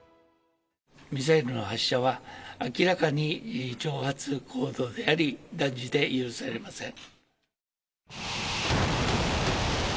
ミサイルの発射は明らかに挑発行動であり、断じて許されません。